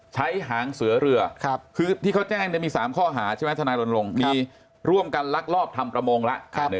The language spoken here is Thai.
หางเสือเรือคือที่เขาแจ้งมี๓ข้อหาใช่ไหมทนายรณรงค์มีร่วมกันลักลอบทำประมงแล้ว